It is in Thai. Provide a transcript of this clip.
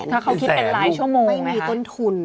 ถ้าเขาคิดเป็นรายชั่วโมงไม่มีต้นทุน